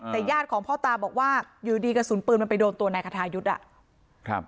แต่ญาติของพ่อตาบอกว่าอยู่ดีกระสุนปืนมันไปโดนตัวนายคทายุทธ์อ่ะครับ